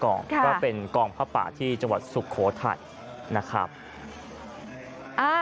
ก็เป็นกองผ้าป่าที่จังหวัดสุโขทัยนะครับอ่า